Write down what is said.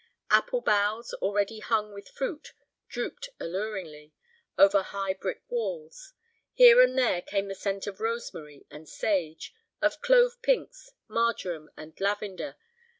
Apple boughs, already hung with fruit, drooped alluringly over high brick walls. Here and there came the scent of rosemary and sage, of clove pinks, marjoram, and lavender.